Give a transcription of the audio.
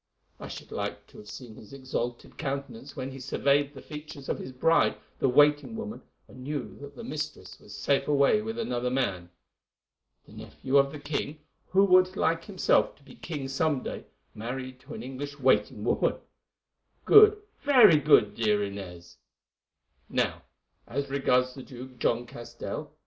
I should like to have seen his exalted countenance when he surveyed the features of his bride, the waiting woman, and knew that the mistress was safe away with another man. The nephew of the king, who would like himself to be king some day, married to an English waiting woman! Good, very good, dear Inez. "'Now, as regards the Jew, John Castell.